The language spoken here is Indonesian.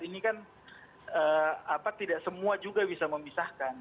ini kan tidak semua juga bisa memisahkan